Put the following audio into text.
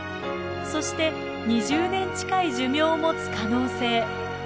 そして２０年近い寿命を持つ可能性。